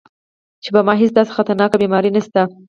چې پۀ ما هېڅ داسې خطرناکه بيماري نشته -